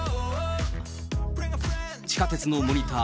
地下鉄のモニター